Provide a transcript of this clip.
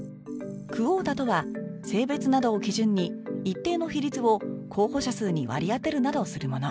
クオータとは性別などを基準に一定の比率を候補者数に割り当てるなどするもの